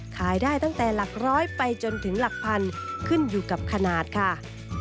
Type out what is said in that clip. ขายได้ตั้งแต่หลักร้อยไปจนถึงหลักพันขึ้นอยู่กับขนาดค่ะ